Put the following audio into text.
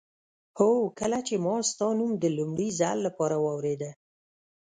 هو کله چې ما ستا نوم د لومړي ځل لپاره واورېده.